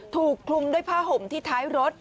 ถูกคลุมด้วยผ้าห่มที่ท้ายรถ